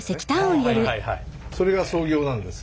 それが創業なんです。